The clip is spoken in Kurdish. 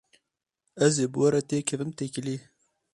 Ez ê bi we re têkevim têkiliyê.